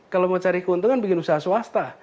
kalau mau cari keuntungan bikin usaha swasta